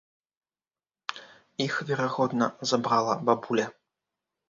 Іх верагодна забрала бабуля.